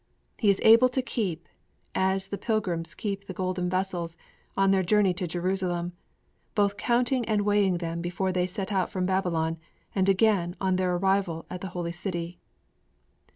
'He is able to keep' as the pilgrims kept the golden vessels on their journey to Jerusalem, both counting and weighing them before they set out from Babylon and again on their arrival at the Holy City.